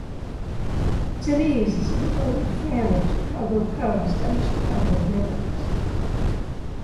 Sinise is a devoted fan of the Chicago Cubs and the Chicago Bears.